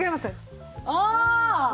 ああ！